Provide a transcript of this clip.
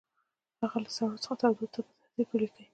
هغوی له سړو څخه تودو ته په ترتیب ولیکئ.